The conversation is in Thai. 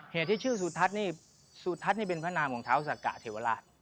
เหตุที่ชื่อสุทัศน์นี่สุทัศน์นี่เป็นพระนามของเท้าสากะเทวราช